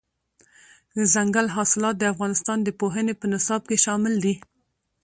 دځنګل حاصلات د افغانستان د پوهنې په نصاب کې شامل دي.